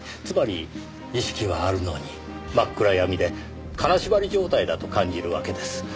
つまり意識はあるのに真っ暗闇で金縛り状態だと感じるわけです。